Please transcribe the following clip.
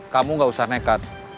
kamu gak usah nekat